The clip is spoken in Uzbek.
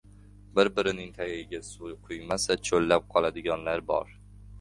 Bir-birining tagiga suv quymasa – cho‘llab qoladiganlar bor.